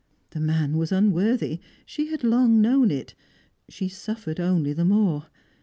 The man was unworthy; she had long known it; she suffered only the more.